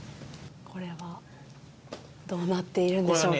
これは、どうなっているんでしょうか？